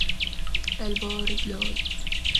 Elle borde l'Aube.